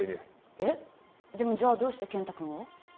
ええっでもじゃあどうして健太君を？